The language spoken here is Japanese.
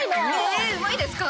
えウマいですか？